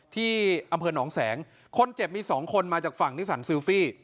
ที่อำเภอหนองแสงคนเจ็บมีสองคนมาจากฝั่งนิสันซิลฟี่